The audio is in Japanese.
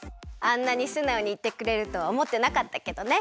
あんなにすなおにいってくれるとはおもってなかったけどね。